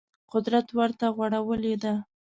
قدرت ورته غوړولې ده